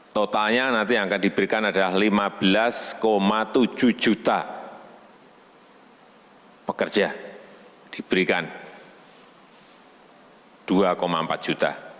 totalnya nanti yang akan diberikan adalah lima belas tujuh juta pekerja diberikan rp dua empat juta